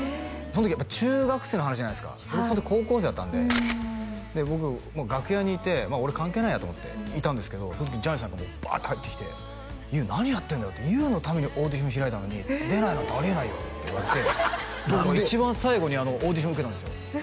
その時やっぱ中学生の話じゃないですか僕その時高校生だったんでで僕もう楽屋にいて俺関係ないやと思っていたんですけどその時ジャニーさんがバーッて入ってきて「ＹＯＵ何やってんだよＹＯＵのためにオーディション開いたのに」「出ないなんてあり得ないよ！」って言われて一番最後にオーディション受けたんですよ